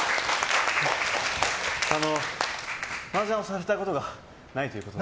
マージャンされたことがないということで。